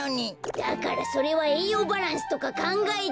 だからそれはえいようバランスとかかんがえて。